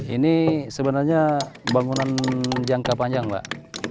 ini sebenarnya bangunan jangka panjang mbak